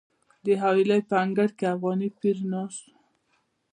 د حویلۍ په انګړ کې افغاني پیر ناست و.